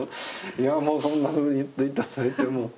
いやもうそんなふうに言って頂いてもう。